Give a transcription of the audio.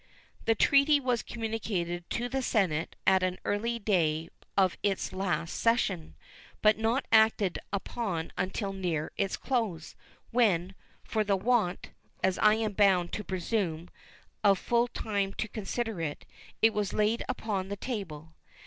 This treaty was communicated to the Senate at an early day of its last session, but not acted upon until near its close, when, for the want (as I am bound to presume) of full time to consider it, it was laid upon the table.